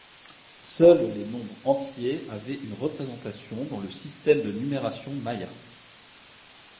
Seuls les nombres entiers avaient une représentation dans le système de numération maya.